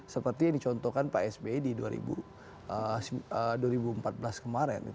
seperti yang dicontohkan pak sby di dua ribu empat belas kemarin